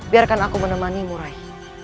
biarkan aku menemani rai